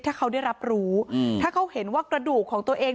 ถ้าเขาได้รับรู้ถ้าเขาเห็นว่ากระดูกของตัวเอง